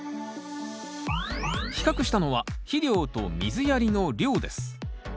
比較したのは肥料と水やりの量です。